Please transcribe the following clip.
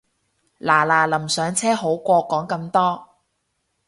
嗱嗱臨上車好過講咁多